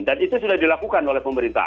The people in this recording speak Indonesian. dan itu sudah dilakukan oleh pemerintah